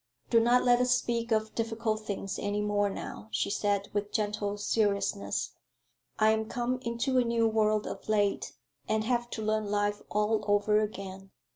"Do not let us speak of difficult things any more now," she said, with gentle seriousness. "I am come into a new world of late, and have to learn life all over again.